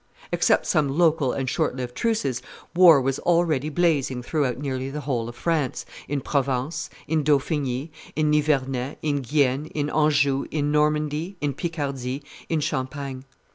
Except some local and short lived truces, war was already lazing throughout nearly the whole of France, in Provence, in Dauphiny, in Nivernais, in Guienne, in Anjou, in Normandy, in Picardy, in Champagne.